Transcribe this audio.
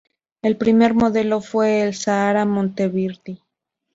El primer modelo fue el Sahara Monteverdi.